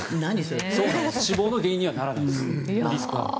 死亡の原因にはならないです。